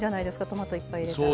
トマトいっぱい入れたら。